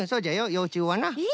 ようちゅうはな。え。